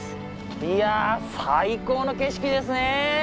いや最高の景色ですね。